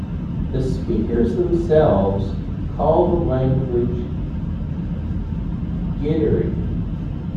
The speakers themselves call the language "Gidire".